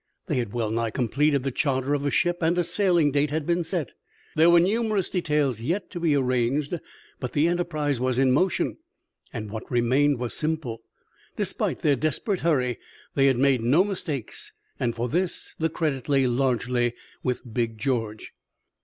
They had well nigh completed the charter of a ship, and a sailing date had been set. There were numerous details yet to be arranged, but the enterprise was in motion, and what remained was simple. Despite their desperate hurry they had made no mistakes, and for this the credit lay largely with Big George.